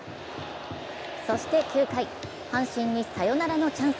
そして９回、阪神にサヨナラのチャンス。